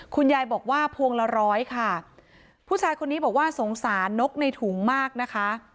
คุณยายบอกว่าพวงละร้อยค่ะผู้ชายคนนี้บอกว่าสงสารนกในถุงมากนะคะ